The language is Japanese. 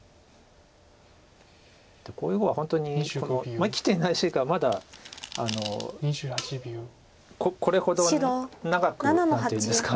でこういう碁は本当に生きてない石がまだこれほど長く何ていうんですか。